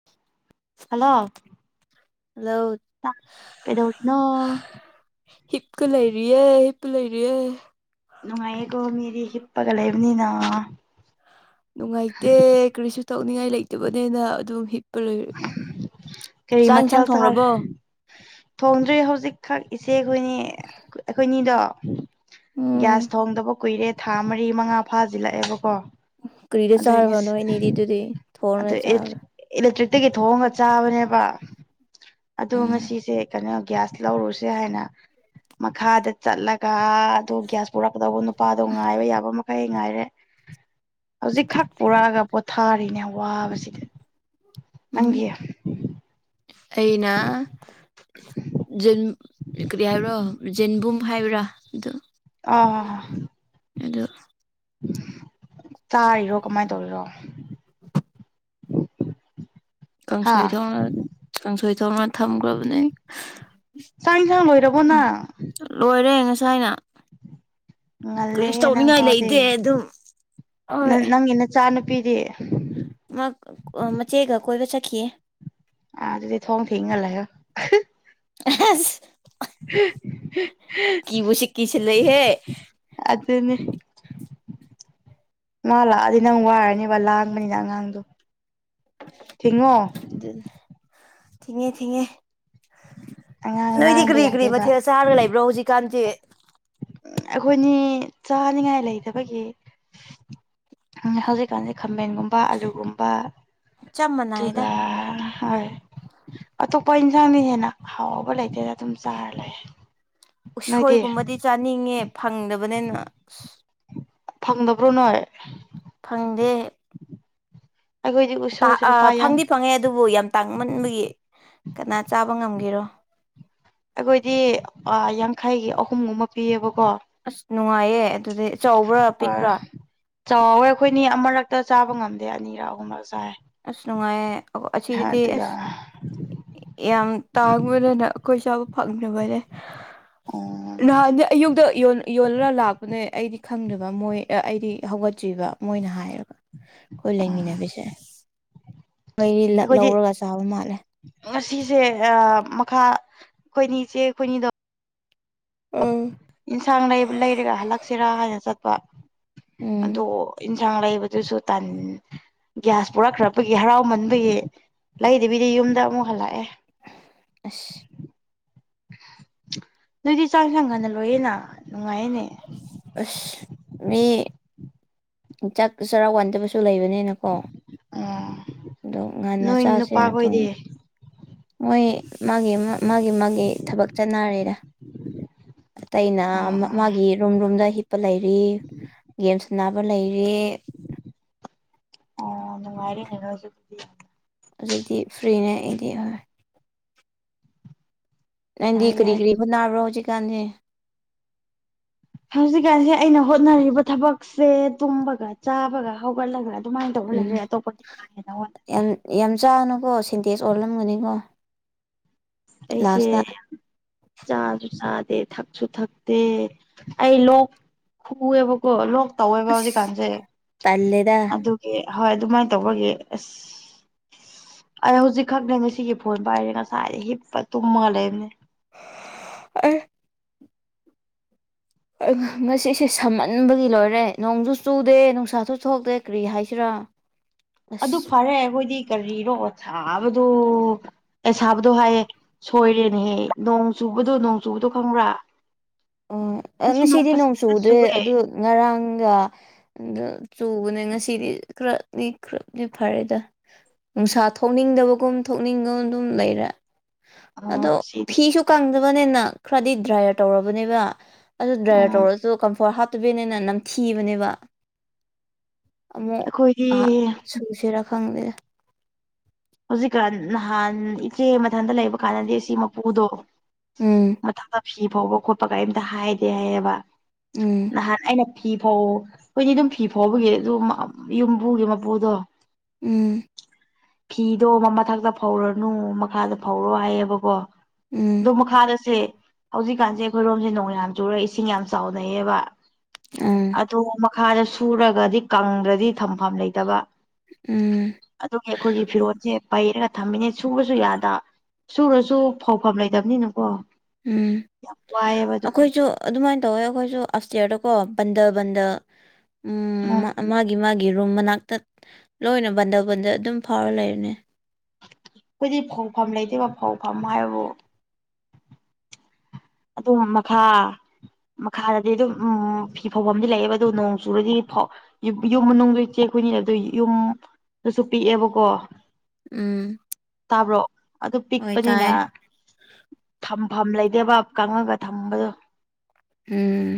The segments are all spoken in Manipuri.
[inaudible] ꯍꯜꯂꯣ [unintelligible] [unintelligible] ꯀꯩꯗꯧꯔꯤꯅꯣ ꯍꯤꯞꯀ ꯂꯩꯔꯤꯌꯦ ꯍꯤꯞꯄ ꯂꯩꯔꯤꯌꯦ ꯅꯨꯡꯉꯥꯏꯌꯦꯀꯣ ꯃꯤꯗꯤ ꯍꯤꯞꯄꯒ ꯂꯩꯕꯅꯤꯅ ꯅꯨꯡꯉꯥꯏꯇꯦ ꯀꯔꯤꯁꯨ ꯇꯧꯅꯤꯡꯉꯥꯏ ꯂꯩꯇꯕꯅꯦꯅ ꯑꯗꯨꯝ ꯍꯤꯞ [unintelligible] ꯀꯔꯤ ꯆꯥꯛ ꯏꯟꯁꯥꯡ ꯃꯊꯦꯜ ꯆꯥꯔꯦ ꯊꯣꯡꯔꯕꯣ ꯊꯣꯡꯗ꯭ꯔꯤ ꯍꯧꯖꯤꯛꯈꯛ ꯏꯆꯦ ꯈꯣꯏꯅꯤ [unintelligible] ꯑꯩꯈꯣꯏꯅꯤꯗꯣ ꯎꯝ ꯒ꯭ꯌꯥꯁ ꯊꯣꯡꯗꯕ ꯀꯨꯏꯔꯦ ꯊꯥ ꯃꯔꯤ ꯃꯉꯥ ꯐꯥꯖꯤꯜꯂꯛꯑꯦꯕꯀꯣ ꯀꯔꯤꯗ ꯑꯗꯨ ꯉꯁꯤ ꯆꯥꯔꯕꯅꯣꯏ ꯑꯅꯤꯗꯤ ꯑꯗꯨꯗꯤ ꯊꯣꯡꯔ ꯑꯗꯨ ꯆꯥꯕ꯭ꯔꯥ [unintelligible] ꯏꯂꯦꯛꯇ꯭ꯔꯤꯛꯇꯒꯤ ꯊꯣꯡꯒ ꯆꯥꯕꯅꯦꯕ ꯑꯗꯣ ꯎꯝ ꯉꯁꯤꯁꯦ ꯀꯅꯣ ꯒ꯭ꯌꯥꯁ ꯂꯧꯔꯨꯁꯦ ꯍꯥꯏꯅ ꯃꯈꯥꯗ ꯆꯠꯂꯒ ꯑꯗꯨ ꯒ꯭ꯌꯥꯁ ꯄꯨꯔꯛꯀꯗꯧꯕ ꯅꯨꯞ ꯅꯨꯄꯥꯗꯣ ꯉꯥꯏꯕ ꯌꯥꯕ ꯃꯈꯩ ꯉꯥꯏꯔꯦ ꯍꯧꯖꯤꯛ ꯈꯛ ꯄꯨꯔꯛꯑꯒ ꯄꯣꯊꯥꯔꯤꯅꯦ ꯑꯃꯨꯛ ꯋꯥꯕꯁꯤꯗꯤ ꯎꯝ ꯅꯪꯒꯤ ꯑꯩꯅ ꯖꯨꯟ ꯀꯔꯤ ꯍꯥꯏꯕ꯭ꯔꯣꯖꯦꯟꯕꯨꯝ ꯍꯥꯏꯕ꯭ꯔꯥ ꯑꯗꯨ ꯑꯥ ꯑꯗꯨ ꯆꯥꯔꯤꯔꯣ ꯀꯃꯥꯏꯅ ꯇꯧꯔꯤꯔꯣ ꯍꯥ ꯀꯥꯡꯁꯣꯏ ꯊꯣꯡꯅ ꯀꯥꯡꯁꯣꯏ ꯊꯣꯡꯅ ꯊꯝꯈ꯭ꯔꯕꯅꯦ ꯆꯥꯛ ꯏꯟꯁꯥꯡ ꯂꯣꯏꯔꯕꯣ ꯅꯪ ꯂꯣꯏꯔꯦ ꯉꯁꯥꯏꯅ ꯀꯔꯤꯁꯨ ꯉꯜꯂꯦꯍꯦ ꯅꯪ ꯇꯧꯅꯤꯡꯉꯥꯏ ꯐꯥꯎꯗꯤ ꯂꯩꯇꯦ ꯑꯗꯨꯝ ꯍꯣꯏ ꯅꯪꯒꯤ ꯅꯆꯥ ꯅꯨꯄꯤꯗꯤ ꯃꯥ ꯃꯆꯦꯒ ꯀꯣꯏꯕ ꯆꯠꯈꯤꯌꯦ ꯑꯗꯗꯤ ꯊꯣꯡ ꯊꯤꯡꯉ ꯂꯩꯌꯣ ꯑꯁ ꯀꯤꯕꯨ ꯁꯤ ꯀꯤꯁꯤꯜꯂꯛꯏꯍꯦ [unintelligible] ꯑꯗꯨꯅꯤ ꯃꯥ ꯂꯥꯛꯑꯗꯤ ꯅꯪ ꯋꯥꯔꯅꯦꯕ ꯂꯥꯡꯕꯅꯤꯅ ꯑꯉꯥꯡꯗꯣ ꯊꯤꯡꯉꯣ ꯑꯗꯨꯅꯤ ꯊꯤꯡꯉꯦ ꯊꯤꯡꯉꯦ ꯑꯉꯥꯡ ꯅꯣꯏꯗꯤ ꯂꯥꯡꯕ ꯀꯔꯤ ꯀꯔꯤ ꯌꯥꯗꯦꯕ ꯃꯊꯦꯜ ꯆꯥꯔꯒ ꯂꯩꯕ꯭ꯔꯣ ꯍꯧꯖꯤꯛꯀꯥꯟꯗꯤ ꯑꯩꯈꯣꯏꯅꯤ ꯆꯥꯅꯤꯉꯥꯏ ꯂꯩꯇꯕꯒꯤ ꯎꯝ ꯍꯧꯖꯤꯛꯀꯥꯟꯁꯦ ꯈꯥꯝꯃꯦꯟꯒꯨꯝꯕ ꯑꯂꯨꯒꯨꯝꯕ ꯆꯞ ꯃꯥꯟꯅꯩꯗ ꯑꯗꯨꯒ ꯍꯥꯏ ꯑꯇꯣꯞꯄ ꯏꯟꯁꯥꯡꯗꯤ ꯍꯦꯟꯅ ꯍꯥꯎꯕ ꯂꯩꯇꯗ ꯑꯗꯨꯝ ꯆꯥꯔ ꯂꯩꯌꯦ ꯎꯁꯣꯏꯒꯨꯝꯕꯗꯤ ꯆꯥꯅꯤꯡꯉꯦ ꯐꯪꯗꯕꯅꯤꯅ ꯐꯪꯗꯕ꯭ꯔꯣ ꯅꯣꯏ ꯐꯪꯗꯦ ꯑꯩꯈꯣꯏꯗꯤ ꯎꯁꯣꯏꯁꯨ ꯂꯨꯄꯥ ꯌꯥꯡ ꯐꯪꯗꯤ ꯐꯪꯉꯦ ꯑꯗꯨꯕꯨ ꯌꯥꯝ ꯇꯥꯡꯃꯟꯕꯒꯤ ꯀꯅꯥ ꯆꯥꯕ ꯉꯝꯒꯦꯔꯣ ꯑꯩꯈꯣꯏꯗꯤ ꯑꯥ ꯌꯥꯡꯈꯩꯒꯤ ꯑꯍꯨꯝꯒꯨꯝꯕ ꯄꯤꯌꯦꯕꯀꯣ ꯑꯁ ꯅꯨꯡꯉꯥꯏꯌꯦ ꯑꯗꯨꯗꯤ ꯆꯥꯎꯕ꯭ꯔꯥ ꯍꯣꯏ ꯄꯤꯛꯄ꯭ꯔꯥ ꯆꯥꯎꯋꯦ ꯑꯩꯈꯣꯏꯅꯤ ꯑꯃꯔꯛꯇ ꯆꯥꯕ ꯉꯝꯗꯦ ꯑꯅꯤꯔꯛ ꯑꯍꯨꯝꯂꯛ ꯆꯥꯏ ꯑꯁ ꯅꯨꯡꯉꯥꯏꯌꯦ ꯑꯁꯤꯗꯗꯤ ꯑꯗꯨ ꯌꯥ ꯑꯁ ꯌꯥꯝ ꯇꯥꯡꯕꯅꯅ ꯑꯈꯣꯏ ꯆꯥꯕ ꯐꯪꯗꯕꯅꯦ ꯎꯝ ꯅꯍꯥꯟꯗꯤ ꯑꯌꯨꯛꯇ ꯌꯣꯜ ꯌꯣꯜꯂꯒ ꯂꯥꯛꯄꯅꯦ ꯑꯩꯗꯤ ꯈꯪꯗꯕ ꯃꯣꯏ ꯑꯩꯗꯤ ꯍꯧꯒꯠꯇ꯭ꯔꯤꯕ ꯃꯣꯏꯅ ꯍꯥꯏꯌꯦꯕ ꯈꯣꯏ ꯎꯝ ꯂꯩꯃꯤꯟꯅꯕꯤꯁꯦ ꯃꯩꯔꯤ ꯂꯛ ꯑꯩꯈꯣꯏꯗꯤ ꯂꯧꯔꯒ ꯆꯥꯕ ꯃꯥꯜꯂꯦ ꯉꯁꯤꯁꯦ ꯑ ꯃꯈꯥ ꯈꯣꯏꯅꯤ ꯆꯦ ꯈꯣꯏꯅꯤꯗꯣ ꯎꯝ ꯢꯟꯁꯥꯡ ꯂꯩꯕ ꯂꯩꯔꯒ ꯍꯜꯂꯛꯁꯤꯔꯥ ꯍꯥꯏꯅ ꯆꯠꯄ ꯎꯝ ꯑꯗꯣ ꯏꯟꯁꯥꯡ ꯂꯩꯕꯗꯨꯁꯨ ꯇꯟ ꯒ꯭ꯌꯥꯁ ꯄꯨꯔꯛꯈ꯭ꯔꯛꯄꯒꯤ ꯍꯔꯥꯎꯃꯟꯕꯒꯤ ꯂꯩꯗꯕꯤꯗ ꯌꯨꯝꯗ ꯑꯃꯨꯛ ꯍꯜꯂꯛꯑꯦ ꯑꯁ ꯅꯣꯏꯗꯤ ꯆꯥꯛ ꯍꯦꯟꯖꯥꯡ ꯉꯟꯅ ꯂꯣꯏꯌꯦꯅ ꯅꯨꯡꯉꯥꯏꯌꯦꯅꯦ ꯑꯁ ꯃꯤ ꯆꯛ ꯆꯔꯥ ꯋꯥꯟꯗꯕꯁꯨ ꯂꯩꯕꯅꯤꯅ ꯀꯣ ꯎꯝ ꯑꯗꯣ ꯉꯟꯅ ꯅꯣꯏ ꯆꯥꯁꯦꯅ ꯊꯣꯡ ꯅꯨꯄꯥꯈꯣꯏꯗꯤ ꯃꯣꯏ ꯃꯥꯒꯤ ꯃꯥ ꯃꯥꯒꯤ ꯃꯥꯒꯤ ꯊꯕꯛ ꯆꯠꯅꯔꯦꯗꯥ ꯑꯇꯩꯅ ꯑꯣ ꯃꯥ ꯃꯥꯒꯤ ꯔꯨꯝ ꯔꯨꯝꯗ ꯍꯤꯞꯄ ꯂꯩꯔꯤ ꯒꯦꯝ ꯁ꯭ꯅꯥꯕ ꯂꯩꯔꯤ ꯑꯣ ꯅꯨꯡꯉꯥꯢꯔꯦꯅꯦ ꯅꯣꯏꯁꯨ ꯗꯨꯗꯤ ꯍꯧꯖꯤꯛꯇꯤ ꯐ꯭ꯔꯤꯅꯦ ꯑꯩꯗꯤ ꯍꯣꯏ ꯌꯥꯏ ꯅꯪꯗꯤ ꯀꯔꯤ ꯌꯥꯏ ꯀꯔꯤ ꯍꯣꯅꯕ꯭ꯔꯣ ꯍꯧꯖꯤꯀꯥꯟꯖꯤ ꯍꯧꯖꯤꯛꯀꯥꯟꯁꯤ ꯑꯩꯅ ꯍꯣꯠꯅꯔꯤꯕ ꯊꯕꯛꯁꯦ ꯇꯨꯝꯕꯒ ꯆꯥꯕꯒ ꯍꯧꯒꯠꯂꯒ ꯑꯗꯨꯃꯥꯏꯟ ꯇꯧꯔ ꯎꯝ ꯂꯩꯔꯦ ꯑꯇꯣꯞꯄꯗꯤ ꯀꯥ ꯍꯦꯟꯅ ꯋꯥꯗꯦ ꯌꯥꯝ ꯌꯥꯝ ꯆꯥꯒꯅꯨꯀꯣ ꯁꯤꯟꯇꯦꯁ ꯑꯣꯜꯂꯝꯒꯥꯅꯤꯀꯣ ꯑꯩꯁꯦ ꯌꯝ ꯆꯥꯖꯨ ꯆꯥꯗꯦ ꯊꯛꯁꯨ ꯊꯛꯇꯦ ꯑꯩ ꯂꯣꯛ ꯈꯨꯋꯦꯕꯀꯣ ꯂꯣꯛ ꯇꯧꯋꯦꯕ ꯑꯁ ꯍꯧꯖꯤꯛꯀꯥꯟꯖꯦ ꯇꯜꯂꯦꯗ ꯑꯗꯨ ꯀꯤ ꯍꯣꯏ ꯑꯗꯨꯃꯥꯏꯟ ꯇꯧꯕꯒꯤ ꯑꯁ ꯑꯩ ꯍꯧꯖꯤꯛ ꯈꯛꯅꯦ ꯉꯁꯤꯒꯤ ꯐꯣꯟ ꯄꯥꯏꯔꯤ ꯉꯁꯥꯏꯗꯩ ꯍꯤꯞꯄ ꯇꯨꯝꯃꯒ ꯂꯩꯕꯅꯦ ꯑꯩ ꯑꯥ ꯉꯁꯤꯁꯦ ꯁꯥꯃꯟꯕꯒꯤ ꯂꯣꯏꯔꯦ ꯅꯣꯡꯖꯨ ꯆꯨꯗꯦ ꯅꯨꯡꯁꯥꯁꯨ ꯊꯣꯛꯇꯦ ꯀ꯭ꯔꯤ ꯍꯥꯏꯁꯤꯔꯥ ꯑꯗꯨ ꯑꯁ ꯐꯥꯔꯦ ꯑꯈꯣꯏꯗꯤ ꯀꯔꯤꯔꯣ ꯁꯥꯕꯗꯣ ꯑꯦ ꯁꯥꯕꯗꯣ ꯍꯥꯏꯌꯦ ꯁꯣꯏꯔꯦꯅꯦꯍꯦ ꯅꯣꯡ ꯆꯨꯕꯗꯣ ꯅꯣꯡ ꯆꯨꯕꯗꯣ ꯈꯪꯕ꯭ꯔꯥ ꯑꯣ ꯑꯥ ꯉꯁꯤ ꯉꯁꯤꯗꯤ ꯅꯣꯡ ꯐꯖꯅ ꯆꯨꯗ꯭ꯔꯦ ꯆꯨꯔꯦ ꯑꯗꯨ ꯉꯔꯥꯡꯒ ꯑꯗꯨ ꯆꯨꯕꯅꯦ ꯉꯁꯤꯗꯤ ꯈꯔꯅꯤ ꯈꯔꯗꯤ ꯐꯔꯦꯗ ꯅꯨꯡꯁꯥ ꯊꯣꯛꯅꯤꯡꯗꯕꯒꯨꯝ ꯊꯣꯛꯅꯤꯡꯒꯝ ꯑꯗꯨꯝ ꯂꯩꯔꯦ ꯑꯣ ꯑꯗꯣ ꯉꯁꯤꯗꯤ ꯐꯤꯁꯨ ꯀꯪꯗꯕꯅꯤꯅ ꯈ꯭ꯔꯥꯗꯤ ꯗ꯭ꯔꯥꯏꯔ ꯇꯧꯔꯕꯅꯦꯕ ꯑꯗꯨ ꯗ꯭ꯔꯥꯏꯌꯔ ꯑꯣ ꯇꯧꯔꯁꯨ ꯀꯝꯐꯣꯔꯠ ꯍꯥꯞꯇꯕꯦꯅꯦꯅ ꯅꯝꯊꯤꯕꯅꯦꯕ ꯑꯃꯨꯛ ꯑꯩꯈꯣꯏꯗꯤ ꯑꯥ ꯁꯨꯁꯤꯔꯥ ꯈꯪꯗꯦ ꯍꯧꯖꯤꯛꯀꯥꯟ ꯅꯍꯥꯟ ꯏꯆꯦ ꯃꯊꯟꯗ ꯂꯩꯕ ꯀꯥꯟꯗꯗꯤ ꯁꯤ ꯃꯄꯨꯗꯣ ꯎꯝ ꯃꯊꯛꯇꯥ ꯐꯤ ꯐꯥꯎꯕ ꯈꯣꯠꯄ ꯀꯔꯤꯝꯇꯥ ꯍꯥꯏꯗꯦ ꯍꯥꯏꯌꯦꯕ ꯎꯝ ꯅꯍꯥꯟ ꯑꯩꯅ ꯐꯤ ꯐꯧ ꯈꯣꯏꯗꯤ ꯑꯗꯨꯝ ꯐꯤ ꯐꯥꯎꯕꯒꯤ ꯑꯗꯨ ꯌꯨꯝꯕꯨꯒꯤ ꯃꯄꯨꯗꯣ ꯎꯝ ꯐꯤꯗꯣ ꯃꯥ ꯃꯊꯛꯇꯥ ꯐꯧꯔꯅꯨ ꯃꯈꯥꯗ ꯐꯧꯔꯣ ꯍꯥꯏꯌꯦꯕꯀꯣ ꯗꯣ ꯎꯝ ꯃꯈꯥꯗꯥꯁꯦ ꯍꯧꯖꯤꯛꯀꯥꯟꯖꯦ ꯑꯩꯈꯣꯏꯔꯣꯝꯖꯦ ꯅꯣꯡ ꯌꯥꯝ ꯆꯨꯔꯦ ꯏꯁꯤꯡ ꯌꯥꯝ ꯆꯥꯎꯅꯩꯌꯦꯕ ꯎꯝ ꯑꯗꯣ ꯃꯛ ꯈꯥꯗ ꯁꯨꯔꯒꯥꯗꯤ ꯀꯪꯗ꯭ꯔꯥꯗꯤ ꯊꯝꯐꯝ ꯂꯩꯇꯕ ꯎꯝ ꯑꯗꯨꯒꯤ ꯑꯩꯈꯣꯏꯒꯤ ꯐꯤꯔꯣꯜꯁꯦ ꯄꯩꯔꯒ ꯊꯝꯃꯤꯅꯦ ꯁꯨꯕꯁꯨ ꯌꯥꯗ ꯁꯨꯔꯁꯨ ꯐꯧꯐꯝ ꯂꯩꯇꯕꯅꯤꯅꯀꯣ ꯎꯝ ꯌꯥꯝ ꯋꯥꯏꯑꯦꯕ ꯑꯗꯨꯒꯤ ꯑꯈꯣꯏꯖꯨ ꯑꯗꯨꯃꯥꯏꯟ ꯇꯧꯋꯦ ꯑꯩꯈꯣꯏꯁꯨ ꯑꯞ ꯏꯇꯤꯌꯥꯔꯗꯀꯣ ꯕꯟꯗꯜ ꯕꯟꯗꯜ ꯎꯝ ꯃꯥ ꯃꯥꯒꯤ ꯃꯥꯒꯤ ꯔꯨꯝ ꯃꯅꯥꯛꯇꯥ ꯂꯣꯏꯅ ꯕꯟꯗꯜ ꯕꯟꯗꯜ ꯑꯗꯨꯝ ꯐꯥꯎꯔ ꯂꯩꯕꯅꯦ ꯈꯣꯏꯗꯤ ꯐꯧꯐꯝ ꯂꯩꯇꯦꯕ ꯐꯧꯐꯝ ꯍꯥꯏꯕꯕꯨ ꯑꯗꯨꯝ ꯃꯈꯥ ꯃꯈꯥꯗꯗꯤ ꯑꯗꯨꯝ ꯎꯝ ꯐꯤ ꯐꯧꯕꯝꯗꯤ ꯂꯩꯌꯦꯕ ꯑꯗꯨ ꯅꯣꯡ ꯆꯨꯔꯗꯤ ꯐꯧ ꯌꯨꯞ ꯌꯨꯝ ꯃꯅꯨꯡꯗꯣ ꯏꯆꯦ ꯈꯣꯏꯅꯤꯅ ꯑꯗꯨ ꯌꯨꯝꯗꯥꯁꯨ ꯄꯤꯛꯑꯦꯕꯀꯣ ꯎꯝ ꯇꯥꯕ꯭ꯔꯣ ꯑꯗꯨ ꯍꯣꯏ ꯄꯤꯛꯄꯅꯤꯅ ꯇꯥꯏꯌꯦ ꯊꯝꯐꯝ ꯂꯩꯇꯦꯕ ꯀꯪꯉꯒ ꯊꯝꯕꯗꯣ ꯎꯝ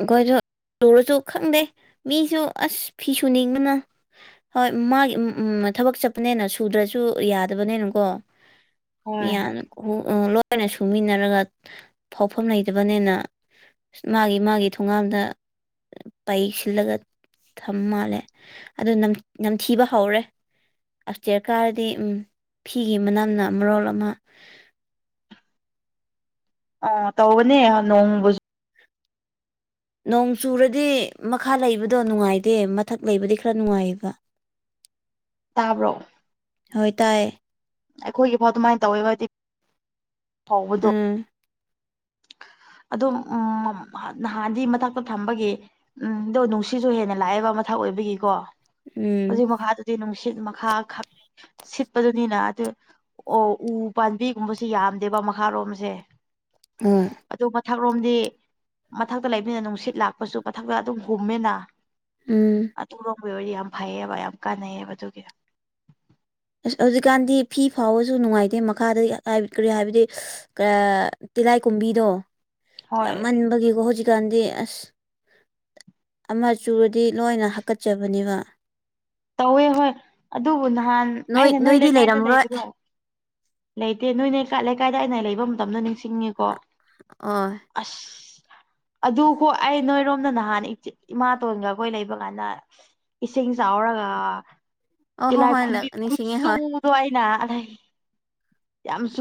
ꯑꯈꯣꯏꯁꯨ ꯇꯧꯔꯁꯨ ꯈꯪꯗꯦ ꯃꯤꯁꯨ ꯑꯁ ꯐꯤꯁꯨꯨꯅꯤꯡꯕꯅ ꯍꯣꯏ ꯃꯥꯒꯤ ꯎꯝ ꯎꯝ ꯊꯕꯛ ꯆꯠꯄꯅꯦꯅ ꯁꯨꯗ꯭ꯔꯁꯨ ꯌꯥꯗꯕꯅꯦꯅꯀꯣ ꯍꯣꯏ ꯃꯤꯌꯥꯟ [unintelligible] ꯂꯣꯏꯅ ꯁꯨꯃꯤꯟꯅꯔꯒ ꯃꯐꯝ ꯂꯩꯇꯕꯅꯤꯅ ꯃꯥꯒꯤ ꯃꯥꯒꯤ ꯊꯣꯡꯒꯥꯟꯗ ꯄꯩ ꯁꯤꯜꯂꯒ ꯊꯝ ꯃꯥꯜꯂꯦ ꯑꯗꯨ ꯅꯝꯊꯤꯕ ꯍꯧꯔꯦ ꯑꯞ ꯏꯁꯇꯤꯔ ꯀꯥꯔꯗꯤ ꯎꯝ ꯐꯤꯒꯤ ꯃꯅꯝꯅ ꯃꯔꯣꯜ ꯑꯃ ꯑꯣ ꯇꯧꯕꯅꯦ ꯅꯣꯡꯃꯁꯨ ꯅꯣꯡ ꯆꯨꯔꯗꯤ ꯃꯈꯥ ꯂꯩꯕꯗꯣ ꯅꯨꯡꯉꯥꯏꯇꯦ ꯃꯊꯛ ꯂꯩꯕꯗꯤ ꯈꯔ ꯅꯨꯡꯉꯥꯏꯌꯦꯕ ꯇꯥꯕ꯭ꯔꯣ ꯍꯣꯏ ꯇꯥꯏꯌꯦ ꯑꯩꯈꯣꯏꯒꯤꯐꯥꯎ ꯑꯗꯨꯃꯥꯏꯅ ꯇꯧꯋꯦꯕ ꯍꯥꯏꯗꯤ ꯐꯥꯎꯕꯗꯣ ꯎꯝ ꯑꯗꯣ ꯎꯝ ꯅꯍꯥꯟꯗꯤ ꯃꯊꯛꯇ ꯊꯝꯕꯒꯤ ꯎꯝ ꯑꯗꯣ ꯅꯨꯡꯁꯤꯁꯨ ꯍꯦꯟꯅ ꯂꯥꯛꯑꯦꯕ ꯃꯊꯛ ꯑꯣꯏꯕꯒꯤꯀꯣ ꯎꯝ ꯑꯗꯣ ꯃꯈꯥꯗ ꯅꯨꯡꯁꯤꯠ ꯃꯈꯥ ꯈꯛ ꯁꯤꯠꯄꯗꯨꯅꯤꯅ ꯑꯗꯨ ꯑꯣ ꯎ ꯄꯥꯝꯕꯤꯒꯨꯝꯕꯁꯨ ꯌꯥꯝꯗꯦꯕ ꯃꯈꯥꯔꯣꯝꯁꯦ ꯎꯝ ꯑꯗꯨ ꯃꯊꯛꯔꯣꯝꯗꯤ ꯃꯊꯛꯇ ꯂꯩꯕꯅꯤꯅ ꯅꯨꯡꯁꯤꯠ ꯂꯥꯛꯄꯁꯨ ꯃꯊꯛꯇ ꯑꯗꯨꯝ ꯍꯨꯝꯃꯦꯅ ꯎꯝ ꯑꯗꯨꯔꯣꯝꯒꯤ ꯑꯣꯏꯔꯗꯤ ꯌꯥꯝ ꯐꯩꯌꯦꯕ ꯌꯥꯝ ꯀꯥꯟꯅꯩꯌꯦꯕ ꯑꯗꯨꯒꯤ ꯑꯁ ꯍꯧꯖꯤꯛꯀꯥꯟꯗꯤ ꯐꯤ ꯐꯥꯎꯕꯁꯨ ꯅꯨꯡꯉꯥꯏꯇꯦ ꯃꯈꯥꯗ ꯀꯔꯤ ꯍꯥꯏꯕꯗꯤ ꯇꯤꯂꯥꯏ ꯀꯣꯝꯕꯤꯗꯣ ꯍꯣꯏ ꯌꯥꯝ ꯃꯟꯕꯒꯤꯀꯣ ꯍꯧꯖꯤꯛꯀꯥꯟꯗꯤ ꯑꯁ ꯑꯁ ꯑꯃ ꯆꯨꯔꯗꯤ ꯂꯣꯏꯅ ꯍꯥꯀꯠꯆꯕꯅꯦꯕ ꯇꯧꯋꯦ ꯍꯣꯏ ꯑꯗꯨꯕꯨ ꯅꯍꯥꯟ ꯑꯩꯅ ꯅꯣꯏ ꯅꯣꯏꯗꯤ ꯂꯩꯀꯥꯏꯗ ꯂꯩꯔꯝꯔꯣꯏ ꯂꯩꯕꯗꯣ ꯂꯩꯇꯦ ꯅꯣꯏꯅꯦꯀ ꯂꯩꯀꯥꯏꯗ ꯑꯩꯅ ꯂꯩꯕ ꯃꯇꯝꯗꯣ ꯅꯤꯡꯁꯤꯡꯉꯤꯀꯣ ꯑꯣ ꯑꯁ ꯑꯗꯨ ꯍꯣ ꯑꯩ ꯅꯣꯏꯔꯣꯝꯗ ꯅꯍꯥꯟ ꯏꯃꯥꯇꯣꯟꯒ ꯑꯩꯈꯣꯏ ꯂꯩꯕ ꯀꯥꯟꯗ ꯏꯁꯤꯡ ꯆꯥꯎꯔꯒ ꯑꯣ ꯍꯣꯏ ꯇꯤꯜꯍꯥꯏ ꯍꯣꯏ ꯈꯨꯨꯝꯕꯤ ꯅꯤꯡꯁꯤꯡꯉꯦ ꯍꯣꯏ ꯈꯨꯠꯁꯨꯗꯣ ꯑꯩꯅ ꯑꯗꯩ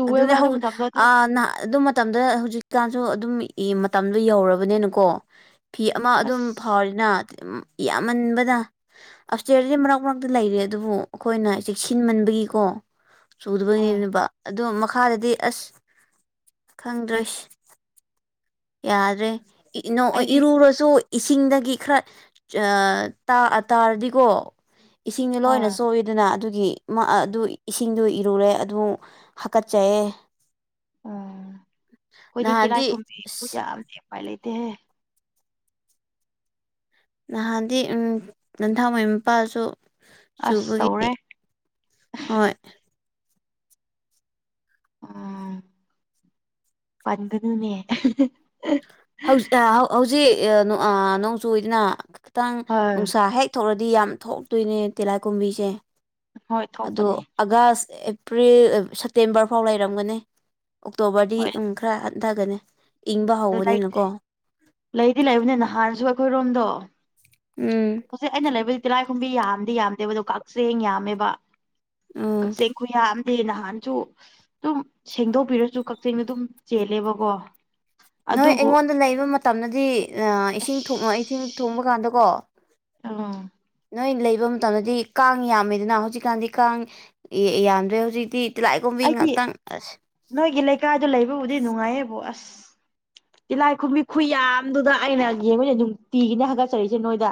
ꯑꯗꯨꯗ ꯍꯧ ꯃꯇꯝꯗꯣ ꯑꯗꯨ ꯑ [unintelligible] ꯑꯗꯨ ꯃꯇꯝꯗ ꯍꯧꯖꯤꯛꯀꯥꯟꯁꯨ ꯑꯗꯨꯝ ꯃꯇꯝꯗꯣ ꯌꯧꯔꯕꯅꯤꯅꯀꯣ ꯐꯤ ꯑꯃ ꯑꯗꯨꯝ ꯑꯁ ꯐꯥꯎꯔꯤꯅ ꯌꯥꯝꯃꯟꯕꯅ [unintelligible] ꯃꯔꯛ ꯃꯔꯛꯇ ꯂꯩꯔꯦ ꯑꯗꯨꯕꯨ ꯑꯩꯈꯣꯏꯅ ꯆꯦꯛ ꯁꯤꯟꯃꯟꯕꯒꯤꯀꯣ ꯍꯣꯏ ꯆꯨꯗꯕꯅꯤꯕ ꯑꯗꯣ ꯃꯈꯥꯗꯗꯤ ꯑꯁ ꯈꯪꯗꯔꯦ ꯌꯥꯗ꯭ꯔꯦ [unintelligible] ꯑꯩꯗꯤ ꯏꯔꯨꯔꯣ ꯆꯣ ꯏꯁꯤꯡꯗꯒꯤ ꯈꯔ ꯑ ꯇꯥ ꯇꯥꯔꯗꯤꯀꯣ ꯏꯁꯤꯡꯅ ꯂꯣꯏꯅ ꯍꯣꯏ ꯆꯣꯠꯂꯤ ꯑꯗꯨꯅ ꯑꯗꯨꯒꯤ ꯃꯥ ꯑꯗꯨ ꯏꯁꯤꯡꯗ ꯏꯔꯨꯔꯦ ꯑꯗꯨ ꯍꯥꯀꯠꯆꯩꯌꯦ ꯅꯍꯥꯟꯗꯤ ꯑꯁ ꯄꯨꯌꯥꯝꯗꯦ ꯎꯄꯥꯏ ꯂꯩꯇꯦꯍꯦ ꯅꯍꯥꯟꯗꯤ ꯎꯝ ꯅꯟꯊꯥꯡꯋꯥꯩ ꯃꯄꯥꯜꯁꯨ ꯑꯁ ꯆꯨꯕꯒꯤ ꯇꯧꯔꯦ ꯍꯣꯏ ꯎꯝ ꯄꯟꯒꯅꯨꯅꯦ ꯍꯧꯖꯤ ꯍꯧꯖꯤꯛ ꯑꯥ ꯅꯣꯡ ꯆꯨꯌꯦꯗꯅ ꯈꯤꯇꯪ ꯍꯣꯏ ꯅꯨꯡꯁꯥ ꯍꯦꯛ ꯊꯣꯛꯔꯗꯤ ꯌꯥꯝ ꯊꯣꯛꯇꯣꯏꯅꯦ ꯇꯤꯂꯥꯏ ꯀꯨꯝꯕꯤꯁꯦ ꯍꯣꯏ ꯑꯗꯣ ꯊꯣꯛꯄꯅꯦ ꯑꯥꯒꯁ ꯑꯦꯄ꯭ꯔꯤꯜ ꯁꯦꯞꯇꯦꯝꯕꯔ ꯐꯥꯎ ꯂꯩꯔꯝꯒꯅꯤ ꯑꯣꯛꯇꯣꯕꯔꯗꯤ ꯍꯣꯏ ꯎꯝ ꯈꯔ ꯍꯟꯊꯒꯅꯤ ꯏꯪꯕ ꯑꯗꯨ ꯂꯩ ꯍꯧꯕꯅꯤꯅꯀꯣ ꯂꯩꯗꯤ ꯂꯩꯕꯅꯦ ꯅꯍꯥꯟꯁꯨ ꯑꯩꯈꯣꯏ ꯔꯣꯝꯗꯣ ꯎꯝ ꯍꯧꯖꯤꯛ ꯑꯩꯅ ꯂꯩꯕꯗꯤ ꯇꯤꯂꯥꯏꯈꯨꯝꯕꯤ ꯌꯥꯝꯗꯤ ꯌꯥꯝꯗꯦꯕ ꯑꯗꯣ ꯀꯛꯆꯦꯡ ꯌꯥꯝꯃꯦꯕ ꯎꯝ ꯀꯛꯆꯦꯡ ꯌꯥꯝꯗꯦ ꯅꯍꯥꯟꯁꯨ ꯑꯗꯨꯝ ꯁꯦꯡꯗꯣꯛꯄꯤꯔꯁꯨ ꯀꯛꯆꯦꯡꯗꯤ ꯑꯗꯨꯝ ꯆꯦꯜꯂꯦꯕꯀꯣ ꯅꯣꯏ ꯑꯗꯨꯕꯨ ꯑꯩꯉꯣꯟꯗ ꯂꯩꯕ ꯃꯇꯝꯗꯗꯤ ꯏꯁꯤꯡ ꯏꯁꯤꯡ ꯊꯣꯡꯕ ꯑꯁ ꯀꯥꯟꯗꯀꯣ ꯎꯝ ꯅꯣꯏ ꯂꯩꯕꯝ ꯇꯜꯂꯗꯤ ꯀꯥꯡ ꯌꯥꯝꯃꯦꯗꯅ ꯍꯧꯖꯤꯛꯀꯥꯟꯗꯤ ꯀꯥꯡ ꯌꯥꯝꯗ꯭ꯔꯦ ꯍꯧꯖꯤꯛꯇꯤ ꯇꯤꯂꯥꯏ ꯀꯨꯝꯕꯤ ꯑꯩꯗꯤ ꯉꯥꯛꯇꯪ ꯑꯁ ꯅꯣꯏꯒꯤ ꯂꯩꯀꯥꯏꯗꯨ ꯂꯩꯕꯕꯨꯗꯤ ꯅꯨꯡꯉꯥꯏꯌꯦꯕꯨ ꯑꯁ ꯇꯤꯂꯥꯏ ꯈꯨꯨꯝꯕꯤ ꯈꯨ ꯌꯥꯝꯗꯨꯗ ꯑꯩꯅ ꯌꯦꯡꯉꯨꯅꯦ ꯅꯨꯡꯇꯤꯒꯤꯅꯦ ꯍꯥꯒꯠꯆꯔꯛꯏꯁꯦ ꯅꯣꯏꯗ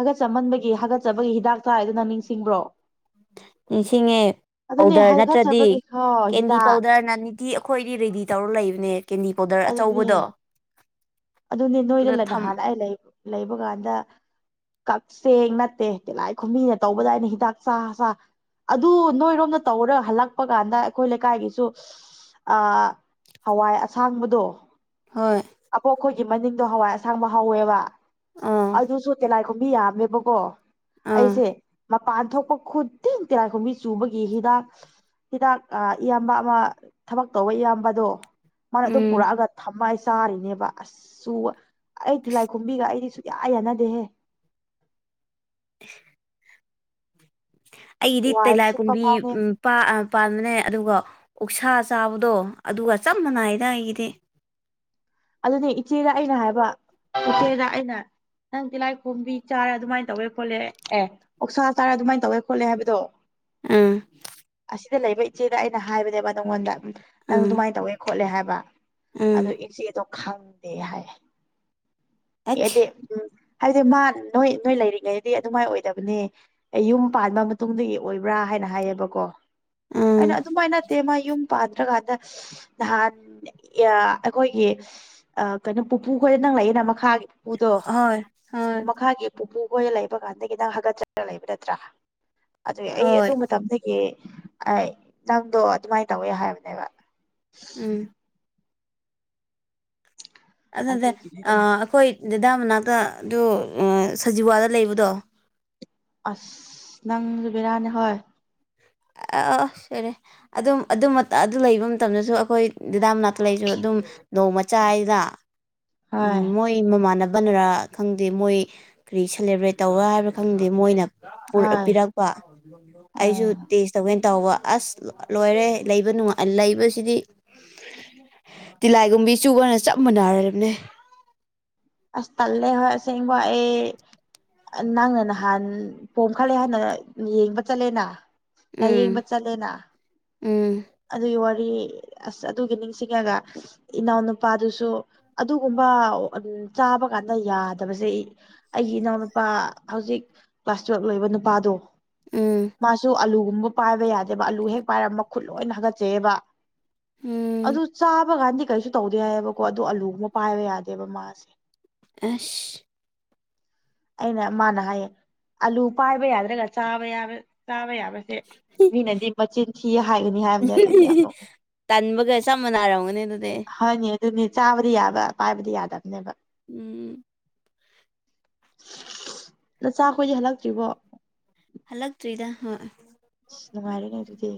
ꯍꯥꯒꯠꯆꯃꯟꯕꯒꯤ ꯍꯥꯒꯠꯆꯕꯒꯤ ꯍꯤꯗꯥꯛ ꯆꯥꯏꯗꯣ ꯅꯪ ꯅꯤꯡꯁꯤꯡꯕ꯭ꯔꯣ ꯅꯤꯡꯁꯤꯡꯉꯦ ꯑꯗꯨꯅꯦ ꯄꯥꯎꯗꯔ ꯅꯠꯇ꯭ꯔꯗꯤ ꯍꯥꯒꯠꯆꯕꯒꯤ ꯍꯣ ꯀꯦꯟꯗꯤ ꯍꯤꯗꯥꯛ ꯄꯥꯎꯗꯔ ꯅ ꯅꯤꯇꯤ ꯑꯩꯈꯣꯏꯗꯤ ꯔꯦꯗꯤ ꯇꯧꯔ ꯂꯩꯕꯅꯦ ꯀꯦꯟꯗꯤ ꯄꯥꯎꯗꯔ ꯑꯆꯧꯕꯗꯣ ꯑꯗꯨꯅꯤ ꯑꯗ ꯅꯣꯏꯗ ꯊꯝ ꯍꯥꯟꯅ ꯑꯩ ꯂꯩ ꯂꯩꯕ ꯀꯥꯟꯗ ꯀꯛꯆꯦꯡ ꯅꯠꯇꯦ ꯇꯤꯂꯥꯏ ꯈꯨꯨꯝꯕꯤꯅ ꯇꯧꯕꯗꯏꯩꯅ ꯍꯤꯗꯥꯛ ꯆꯥ ꯆꯥ ꯑꯗꯨ ꯅꯣꯏꯔꯣꯝꯗ ꯇꯧꯔ ꯍꯜꯂꯛꯄ ꯀꯥꯟꯗ ꯑꯩꯈꯣꯏ ꯂꯩꯀꯥꯏꯒꯤꯁꯨ ꯑꯥ ꯍꯋꯥꯏ ꯑꯁꯥꯡꯕꯗꯣ ꯍꯣꯏ ꯍꯣ ꯑꯩꯈꯣꯏꯒꯤ ꯃꯅꯤꯡꯗꯣ ꯍꯋꯥꯏ ꯑꯁꯥꯡꯕ ꯍꯧꯋꯦꯕ ꯑꯥ ꯑꯗꯨꯁꯨ ꯇꯦꯂꯥꯏ ꯈꯣꯝꯕꯤ ꯌꯥꯝꯃꯦꯕꯀꯣ ꯑꯥ ꯑꯩꯁꯦ ꯃꯄꯥꯟ ꯊꯣꯛꯄ ꯈꯨꯠꯇꯤꯟ ꯇꯤꯔꯥꯏꯈꯨꯝꯕꯤ ꯆꯨꯕꯒꯤ ꯍꯤꯗꯥꯛ ꯍꯤꯗꯥꯛ ꯏꯌꯥꯝꯕ ꯑꯃ ꯊꯕꯛ ꯇꯧꯕ ꯏꯌꯥꯝꯕꯗꯣ ꯃꯥꯅ ꯑꯗꯨꯝ ꯎꯝ ꯄꯨꯔꯛꯑꯒ ꯊꯝꯃꯥ ꯑꯩ ꯆꯥꯔꯤꯅꯦꯕ ꯑꯁꯁꯨ ꯑꯩ ꯑꯁ ꯇꯗꯤꯂꯥꯏꯈꯨꯝꯕꯤꯒ ꯑꯩꯗꯤ ꯌꯥ ꯌꯥꯅꯗꯦꯍꯦ ꯑꯩꯗꯤ ꯋꯥꯏ ꯇꯤꯂꯥꯏ ꯁꯤꯠꯄ ꯀꯨꯝꯕꯤ ꯐꯥꯎꯅꯦ ꯎꯝ ꯄꯥ ꯑꯥ ꯄꯥꯟꯕꯅꯦ ꯑꯗꯨꯒ ꯎꯛꯁꯥ ꯆꯥꯕꯗꯣ ꯑꯗꯨꯒ ꯆꯞ ꯃꯥꯟꯅꯩꯗ ꯑꯩꯒꯤꯗꯤ ꯑꯗꯨꯗꯤ ꯏꯆꯦꯗ ꯑꯩꯅ ꯍꯥꯏꯕ ꯏꯆꯦꯗ ꯑꯩꯅ ꯅꯪ ꯇꯤꯜꯂꯥꯏ ꯈꯣꯝꯕꯤ ꯆꯥꯔ ꯑꯗꯨꯃꯥꯏꯅ ꯇꯧꯋꯦ ꯈꯣꯠꯂꯦ ꯑꯦ ꯑꯣꯛꯁꯥ ꯆꯥꯔ ꯑꯗꯨꯥꯃꯏꯅ ꯇꯧꯋꯦ ꯈꯣꯠꯂꯦ ꯍꯥꯏꯕꯗꯣ ꯎꯝ ꯑꯁꯤꯗ ꯂꯩꯕ ꯏꯆꯦꯗ ꯑꯩꯅ ꯍꯥꯏꯕꯅꯦꯕ ꯅꯪꯉꯣꯟꯗ ꯅꯪ ꯎꯝ ꯑꯗꯨꯃꯥꯏꯅ ꯇꯧꯋꯦ ꯈꯣꯠꯂꯦ ꯍꯥꯏꯕ ꯑꯗꯣ ꯎꯝ ꯏꯆꯦꯗꯣ ꯈꯪꯗꯦ ꯍꯥꯏ ꯑꯦꯗꯤ ꯑꯩꯁ ꯎꯝ ꯍꯥꯏꯗꯤ ꯃꯥ ꯅꯣꯏ ꯅꯣꯏ ꯂꯩꯔꯤꯉꯩꯗꯤ ꯑꯗꯨꯃꯥꯏꯅ ꯑꯣꯏꯗꯕꯅꯦ ꯑꯩ ꯌꯨꯝ ꯄꯥꯟꯕ ꯃꯇꯨꯡꯗꯒꯤ ꯑꯣꯏꯕ꯭ꯔꯥ ꯍꯥꯏꯅ ꯍꯥꯏꯌꯦꯕꯀꯣ ꯑꯩꯅ ꯎꯝ ꯑꯗꯨꯃꯥꯏꯅ ꯅꯠꯇꯦ ꯃꯥ ꯌꯨꯝ ꯄꯥꯗ꯭ꯔꯀꯥꯟꯗ ꯅꯍꯥꯟ ꯑꯩꯈꯣꯏꯒꯤ ꯑ ꯀꯩꯅꯣ ꯄꯨꯄꯨ ꯈꯣꯏꯗ ꯅꯪꯪꯂꯛꯑꯦꯅ ꯃꯈꯥꯒꯤ ꯄꯨꯄꯨꯗꯣ ꯍꯣꯏ ꯍꯣꯏ ꯃꯈꯥꯒꯤ ꯄꯨꯄꯨ ꯈꯣꯏ ꯂꯩꯕ ꯀꯥꯟꯗꯒꯤ ꯅꯪ ꯍꯥꯒꯠꯆꯒ ꯂꯩꯕ ꯅꯠꯇ꯭ꯔꯥ ꯑꯗꯨ ꯑꯩ ꯍꯣꯏ ꯑꯗꯨ ꯃꯇꯝꯗꯒꯤ ꯒꯤ ꯑꯩ ꯅꯪꯗꯣ ꯑꯗꯨꯃꯥꯏ ꯇꯧꯋꯦ ꯍꯥꯏꯕꯅꯦꯕ ꯎꯝ ꯑꯗꯨꯅꯇꯦ ꯑ ꯑꯗꯨꯒꯤꯅꯤꯗ ꯑꯈꯣꯏ ꯗꯗꯥ ꯃꯅꯥꯛꯇ ꯑꯗꯨ ꯁꯖꯤꯋꯥꯗ ꯂꯩꯕꯗꯣ ꯑꯁ ꯅꯪ ꯖꯨ ꯕꯦꯔꯥꯅꯤ ꯍꯣꯏ ꯑꯥ ꯑꯁ ꯍꯩꯔꯦ ꯑꯗꯨꯝ ꯑꯗꯨ ꯃꯠꯇ ꯑꯗꯨ ꯂꯩꯕ ꯃꯇꯝꯗꯁꯨ ꯑꯈꯣꯏ ꯗꯤꯗꯥꯝ ꯃꯅꯥꯛꯇ ꯂꯩꯁꯨ ꯑꯗꯨꯝ ꯅꯣꯡꯃꯆꯥ ꯆꯥꯏꯗ ꯎꯝ ꯍꯣꯏ ꯃꯣꯏ ꯃꯣ ꯃꯃꯥꯟꯅꯕꯅꯔꯥ ꯈꯪꯗꯦ ꯃꯣꯏ ꯀ꯭ꯔꯤ ꯁꯦꯂꯦꯕ꯭ꯔꯦꯠ ꯇꯧꯕꯔꯥ ꯍꯥꯏꯕ꯭ꯔꯥ ꯈꯪꯗꯦ ꯃꯣꯏꯅ ꯍꯣꯏ ꯄꯤꯔꯛꯄ ꯑꯩꯁꯨ ꯑꯥ ꯇꯦꯁ ꯇꯧꯒꯦꯟ ꯇꯧꯕ ꯑꯁ ꯂꯣꯏꯔꯦ ꯂꯩꯕ ꯅꯨꯡꯉꯥꯢ ꯂꯩꯕꯁꯤꯗꯤ ꯇꯤꯂꯥꯏꯒꯨꯝꯕꯤ ꯆꯨꯕꯅ ꯆꯞ ꯃꯥꯟꯅꯔꯕꯅꯦ ꯑꯁ ꯇꯜꯂꯦ ꯍꯣꯢ ꯑꯁꯦꯡꯕ ꯑꯩ ꯅꯪꯅ ꯅꯍꯥꯟ ꯄꯣꯝꯈꯜꯂꯦ ꯍꯥꯟꯅ ꯌꯦꯡꯕ ꯆꯜꯂꯦꯅ ꯎꯝ ꯎꯝ ꯑꯗꯨꯒꯤ ꯋꯥꯔꯤ ꯑꯁ ꯑꯗꯨꯒꯤ ꯅꯤꯡꯁꯤꯡꯉꯒ ꯏꯅꯥꯎꯅꯨꯄꯥꯗꯨꯁꯨ ꯑꯗꯨꯒꯨꯝꯕ ꯎꯝ ꯆꯥꯕ ꯀꯥꯟꯗ ꯌꯥꯗꯕꯖꯦ ꯑꯩꯒꯤ ꯏꯅꯥꯎꯅꯨꯄꯥ ꯍꯧꯖꯤꯛ ꯀ꯭ꯂꯥꯁ ꯇꯨꯌꯦꯜꯕ ꯂꯣꯢꯕ ꯅꯨꯄꯥꯗꯣ ꯎꯝ ꯃꯥꯁꯨ ꯑꯂꯨꯒꯨꯝꯕ ꯄꯥꯏꯕ ꯌꯥꯗꯦꯕ ꯑꯥꯂꯨ ꯍꯦꯛ ꯄꯥꯏꯔꯒ ꯃꯈꯨꯠ ꯂꯣꯏꯅ ꯍꯥꯒꯠꯆꯩꯑꯕ ꯎꯝ ꯑꯗꯨ ꯆꯥꯕ ꯀꯥꯟꯗꯤ ꯀꯩꯁꯨ ꯇꯧꯗꯦ ꯍꯥꯏꯌꯦꯕꯀꯣ ꯑꯗꯨ ꯑꯂꯨꯒꯨꯝꯕ ꯄꯥꯏꯕ ꯌꯥꯗꯦꯕ ꯃꯥꯁꯦ ꯑꯁ [inaudible] ꯑꯩꯅ ꯃꯥꯅ ꯍꯥꯏꯌꯦ ꯑꯂꯨ ꯄꯥꯏꯕ ꯌꯥꯗ꯭ꯔꯒ ꯆꯥꯕ ꯌꯥꯕ ꯆꯥꯕ ꯌꯥꯕ ꯑꯦ ꯃꯤꯅꯗꯤ ꯃꯆꯤꯟ ꯊꯤ ꯍꯥꯏ ꯇꯟꯕꯒ ꯆꯞ ꯃꯟꯅꯥꯔꯝꯒꯅꯤ ꯑꯗꯨꯗꯤ ꯍꯣꯏꯅꯦ ꯑꯗꯨꯅꯤ ꯆꯥꯕꯗꯤ ꯌꯥꯕ ꯄꯥꯏꯕꯗꯤ ꯌꯥꯗꯕꯅꯦꯕ ꯎꯝ ꯅꯆꯥꯈꯣꯏꯗꯤ ꯍꯜꯂꯛꯇ꯭ꯔꯤꯕꯣ ꯍꯜꯂꯛꯇ꯭ꯔꯤꯗ ꯍꯣꯏ ꯑꯁ ꯅꯨꯡꯉꯥꯏꯔꯦꯅꯦ ꯑꯗꯨꯗꯤ